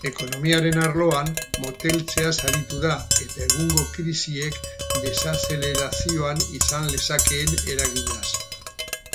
Ekonomiaren arloan, moteltzeaz aritu da eta egungo krisiek desazelerazioan izan lezakeen eraginaz.